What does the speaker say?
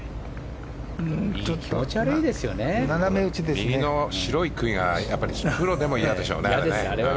右の白い杭はプロでもいやでしょうね。